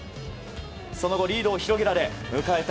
その後リードを広げられ迎えた